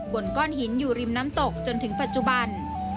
บนก้อนหินอยู่ริมน้ำตกจนถึงปัจจุบัน